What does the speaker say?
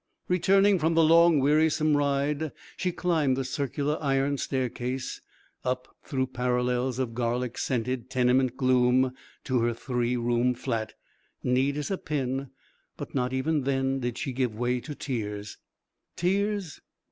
Returning from the long, wearisome ride, she climbed the circular iron staircase up through parallels of garlic scented tenement gloom to her three room flat, neat as a pin; but not even then did she give way to tears. Tears!